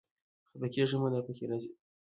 خپه کېږه مه، دا پکې راځي